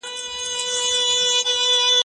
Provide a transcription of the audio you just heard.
زه پرون مکتب ته وم،